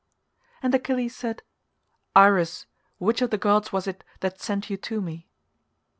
And Achilles said, "Iris, which of the gods was it that sent you to me?"